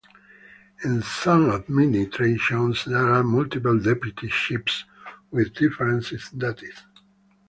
In some administrations, there are multiple deputy chiefs with different duties.